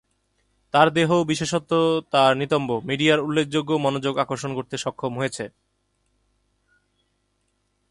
তার দেহ, বিশেষত তার নিতম্ব, মিডিয়ার উল্লেখযোগ্য মনোযোগ আকর্ষণ করতে সক্ষম হয়েছে।